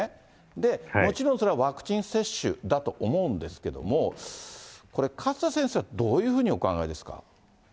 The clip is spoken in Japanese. で、もちろんそれはワクチン接種だと思うんですけれども、これ、勝田先生はどういうふうにお考えですか。